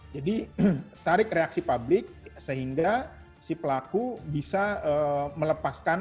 jadi tarik reaksi publik sehingga si pelaku bisa melepaskan